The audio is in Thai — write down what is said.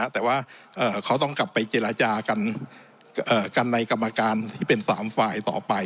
แต่ว่าเขาต้องกลับไปเจรจากันในกรรมการที่เป็น๓ฝ่ายต่อไป